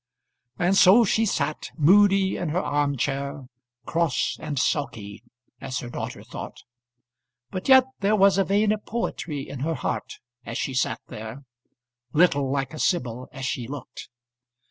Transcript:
And so she sat moody in her arm chair, cross and sulky, as her daughter thought. But yet there was a vein of poetry in her heart, as she sat there, little like a sibyl as she looked.